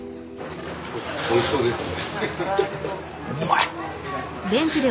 おいしそうですね。